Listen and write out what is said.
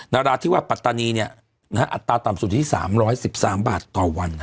นาราธิวาปัตตานีอัตราต่ำสุดที่๓๑๓บาทต่อวัน